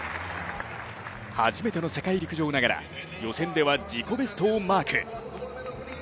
初めての世界陸上ながら予選では自己ベストをマーク。